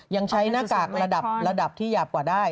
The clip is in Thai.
ยังใช้หน้ากากระดับระดับที่หยาบกว่าได้